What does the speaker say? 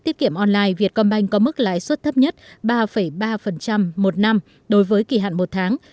tiết kiệm online việt công banh có mức lãi suất thấp nhất ba ba một năm đối với kỳ hạn một tháng